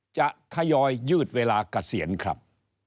จะทยอยยืดเวลากระเสียญครับ